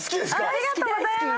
ありがとうございます！